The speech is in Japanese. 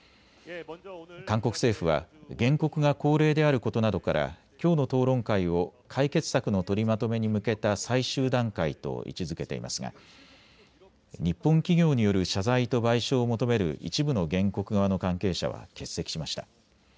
韓国政府は原告が高齢であることなどからきょうの討論会を解決策の取りまとめに向けた最終段階と位置づけていますが日本企業による謝罪と賠償を求める一部の原告側の関係者は欠席しました。